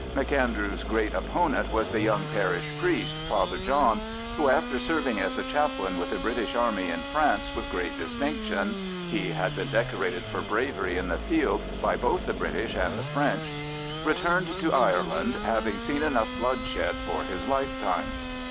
M'Andrew's great opponent was the young parish priest, Father John, who, after serving as a chaplain with the British Army in France with great distinction—he had been decorated for bravery in the field by both the British and the French—returned to Ireland, having seen enough bloodshed for his lifetime.